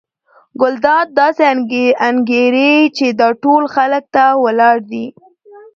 ګلداد داسې انګېري چې دا ټول خلک ده ته ولاړ دي.